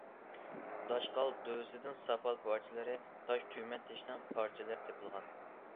داشقال دۆۋىسىدىن ساپال پارچىلىرى، تاش تۈگمەن تېشىنىڭ پارچىلىرى تېپىلغان.